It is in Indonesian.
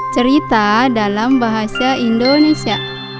cerita dalam bahasa indonesia